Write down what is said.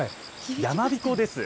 やまびこです。